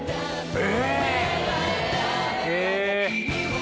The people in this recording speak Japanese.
え！